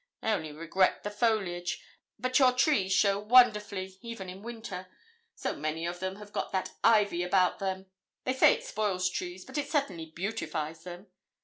I only regret the foliage; but your trees show wonderfully, even in winter, so many of them have got that ivy about them. They say it spoils trees, but it certainly beautifies them.